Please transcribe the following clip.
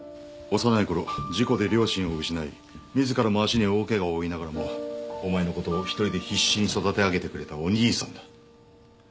幼いころ事故で両親を失い自らも足に大ケガを負いながらもお前のことを一人で必死に育て上げてくれたお兄さんだ。